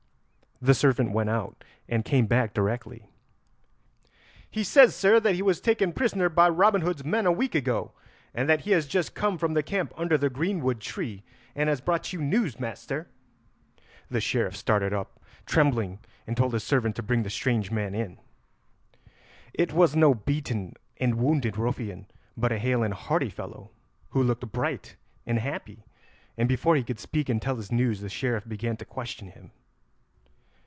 The servant went out, and came back directly. "He says, sir, that he was taken prisoner by Robin Hood's men a week ago, and that he has just come from the camp under the greenwood tree, and has brought you news, master." The Sheriff started up, trembling, and told his servant to bring the strange man in. It was no beaten and wounded ruffian, but a hale and hearty fellow, who looked bright and happy, and before he could speak and tell his news the Sheriff began to question him.